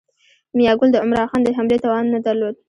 میاګل د عمرا خان د حملې توان نه درلود.